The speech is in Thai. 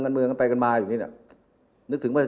ธุรกิจนะภาคธุรกิจ